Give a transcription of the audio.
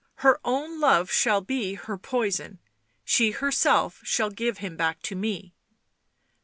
"Her own love shall be her poison ... she herself shall give him back to me."